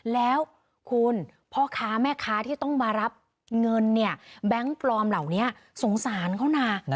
แล้วคุณพ่อค้าแม่ค้าที่ต้องมารับเงินเนี่ยแบงค์ปลอมเหล่านี้สงสารเขานะ